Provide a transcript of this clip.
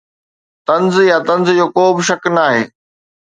طنز يا طنز جو ڪو به شڪ ناهي